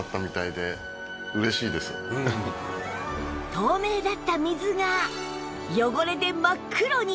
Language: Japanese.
透明だった水が汚れで真っ黒に！